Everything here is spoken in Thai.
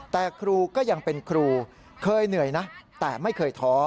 แต่ครูก็ยังเป็นครูเคยเหนื่อยนะแต่ไม่เคยท้อ